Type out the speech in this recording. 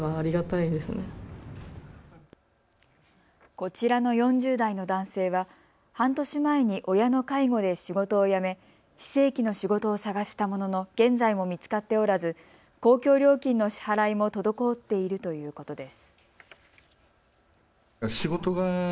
こちらの４０代の男性は半年前に親の介護で仕事を辞め非正規の仕事を探したものの現在も見つかっておらず公共料金の支払いも滞っているということです。